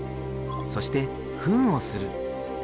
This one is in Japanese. そして糞をする。